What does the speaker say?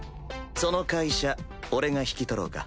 その会社俺が引き取ろうか？